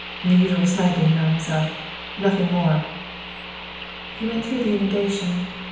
"The usual sniping, mademoiselle. Nothing more." "He went through the inundation?"